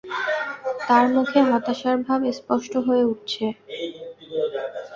তাঁর মুখে হতাশার ভাব স্পষ্ট হয়ে উঠছে।